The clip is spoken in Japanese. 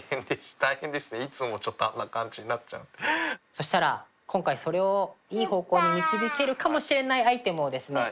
そしたら今回それをいい方向に導けるかもしれないアイテムをですね